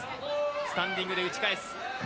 スタンディングで打ち返す。